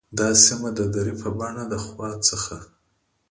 دا سیمه د درې په بڼه د خوات څخه